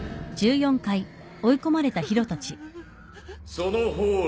・その方ら。